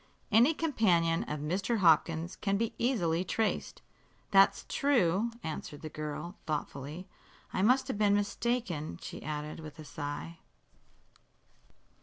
"Any companion of Mr. Hopkins can be easily traced." "That's true," answered the girl, thoughtfully. "I must have been mistaken," she added, with a sigh.